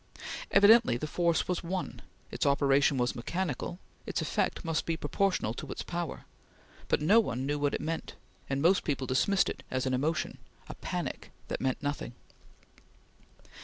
Evidently the force was one; its operation was mechanical; its effect must be proportional to its power; but no one knew what it meant, and most people dismissed it as an emotion a panic that meant nothing.